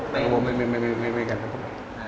ไม่มีกระทบ